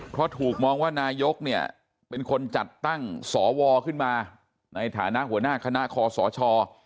เพราะถูกมองว่านายกเนี่ยเป็นคนจัดตั้งสวขึ้นมาในฐานะหัวหน้าคณะคอสช